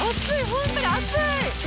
本当に熱い！